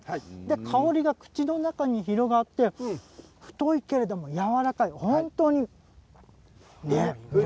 香りが口の中に広がって太いけれどやわらかい、本当に。